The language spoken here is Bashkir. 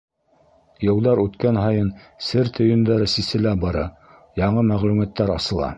Йылдар үткән һайын сер төйөндәре сиселә бара, яңы мәғлүмәттәр асыла.